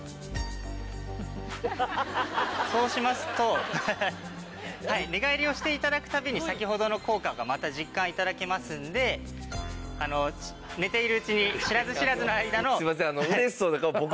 そうしますと寝返りをして頂く度に先ほどの効果がまた実感頂けますので寝ているうちに知らず知らずの間の。